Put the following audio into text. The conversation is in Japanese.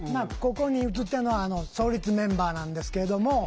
ここに写ってるのは創立メンバーなんですけれども。